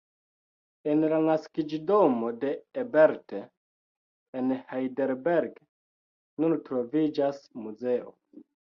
En la naskiĝdomo de Ebert, en Heidelberg, nun troviĝas muzeo.